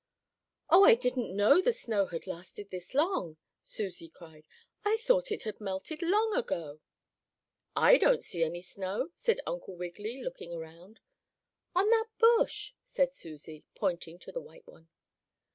"Oh, I didn't know the snow had lasted this long!" Susie cried. "I thought it had melted long ago." "I don't see any snow," said Uncle Wiggily, looking around. "On that bush," said Susie, pointing to the white one.